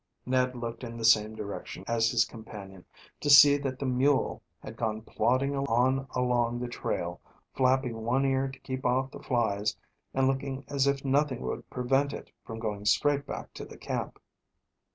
Ned looked in the same direction as his companion, to see that the mule had gone plodding on along the trail, flapping one ear to keep off the flies, and looking as if nothing would prevent it from going straight back to the camp.